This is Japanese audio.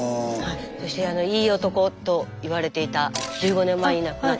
そしていい男と言われていた１５年前に亡くなった旦那さんがこちら。